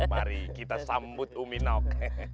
mari kita sambut umi nok